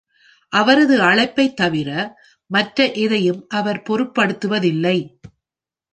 அவரது அழைப்பை தவிர மற்ற எதையும் அவர் பொருட்படுத்துவதில்லை.